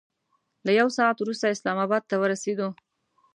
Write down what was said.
له یو ساعت وروسته اسلام اباد ته ورسېدو.